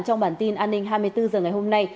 trong bản tin an ninh hai mươi bốn h ngày hôm nay